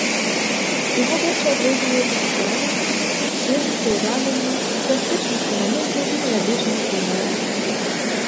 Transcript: Яго вершы адрозніваюцца жыццярадаснасцю, свежасцю уражанняў, пластычнасцю малюнкаў і меладычнасцю мовы.